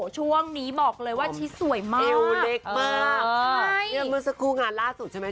ช่วงนี้บอกเลยว่าชิดสวยมากเอวเล็กมากใช่เนี่ยเมื่อสักครู่งานล่าสุดใช่ไหม